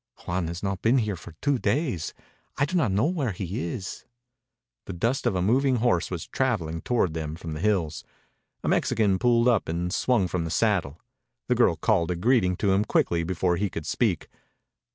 "Juan has not been here for two days. I do not know where he is." The dust of a moving horse was traveling toward them from the hills. A Mexican pulled up and swung from the saddle. The girl called a greeting to him quickly before he could speak.